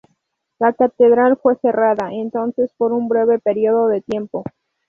La catedral fue cerrada entonces por un breve período de tiempo.